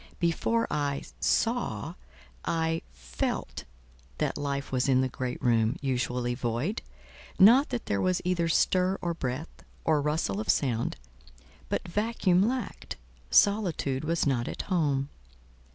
Before I saw, I felt that life was in the great room, usually void: not that there was either stir or breath, or rustle of sound, but Vacuum lacked, Solitude was not at home.